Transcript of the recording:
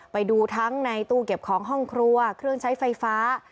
ไปดูทั้งในตู้เก็บของห้องครัวเครื่องใช้ไฟฟ้า